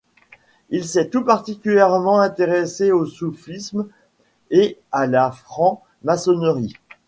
Il s'est tout particulièrement intéressé au soufisme et à la franc-maçonnerie.